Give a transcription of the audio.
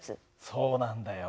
そうなんだよ。